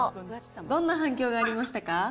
どんな反響がありましたか。